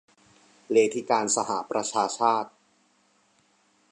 เลธิการสหประชาชาติ